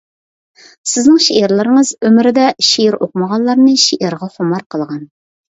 سىزنىڭ شېئىرلىرىڭىز ئۆمرىدە شېئىر ئوقۇمىغانلارنى شېئىرغا خۇمار قىلغان.